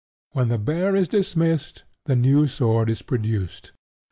When the bear is dismissed, the new sword is produced.